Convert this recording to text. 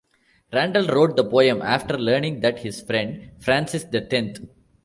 Randall wrote the poem after learning that his friend Francis the Tenth.